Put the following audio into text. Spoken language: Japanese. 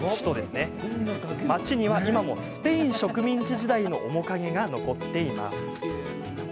町には、今もスペイン植民地時代の面影が残っています。